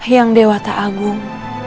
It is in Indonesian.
yang dewa tak agung